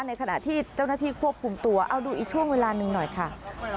ในขณะที่เจ้าหน้าที่ควบคุมตัวเอาดูอีกช่วงเวลาหนึ่งหน่อยค่ะ